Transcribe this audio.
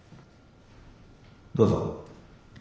どうぞ。